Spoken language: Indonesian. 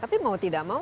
tapi mau tidak mau